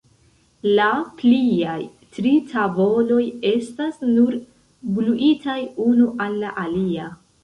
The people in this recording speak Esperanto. La pliaj tri tavoloj estas nur gluitaj unu al la alia.